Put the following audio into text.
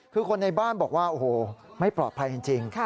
คือคนในบ้านบอกว่าโอ้โหไม่ปลอดภัยจริง